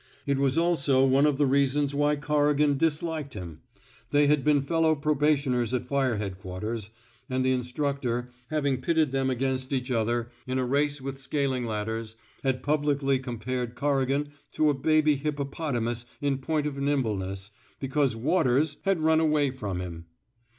It was also one of the reasons why Corrigan disliked him. They had been fellow probationers at Fire Headquarters; and the instructor, having pitted them against each other in a race with scaling ladders, had publicly compared Corrigan to a baby hippopotamus in point of nimbleness, because Waters had run away 200 TRAINING '' SALLY '' WATERS from him.